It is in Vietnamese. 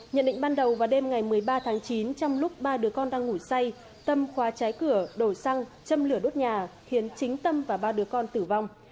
nhận định ban đầu vào đêm ngày một mươi ba tháng chín trong lúc ba đứa con đang ngủ say tâm khóa trái cửa đổi xăng châm lửa đốt nhà khiến chính tâm và ba đứa con tử vong